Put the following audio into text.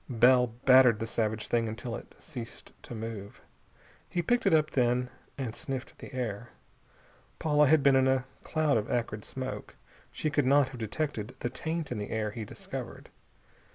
Bell battered the savage thing until it ceased to move. He picked it up, then, and sniffed the air. Paula had been in a cloud of acrid smoke. She could not have detected the taint in the air he discovered.